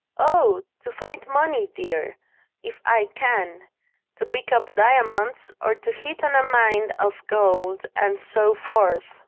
"Oh, to find money, dear, if I can to pick up diamonds, or to hit on a mine of gold, and so forth."